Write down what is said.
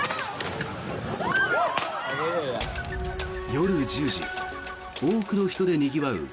夜１０時、多くの人でにぎわう